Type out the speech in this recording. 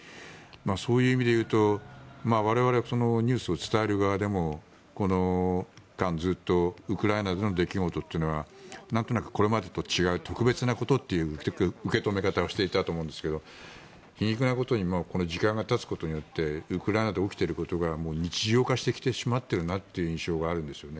そういう意味でいうと我々ニュースを伝える側でもこの間、ずっとウクライナでの出来事というのは何となくこれまでと違う特別なことという受け止め方をしていたと思うんですけど皮肉なことに時間が経つことによってウクライナで起きていることが日常化してきてしまっているという印象があるんですね。